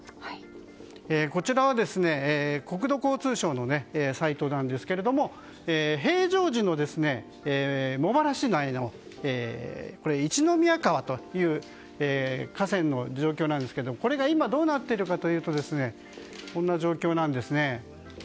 こちらは国土交通省のサイトですが平常時の茂原市内の一宮川という河川の状況なんですがこれが今どうなっているかというとこんな状況なんですね。